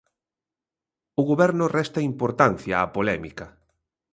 O Goberno resta importancia á polémica.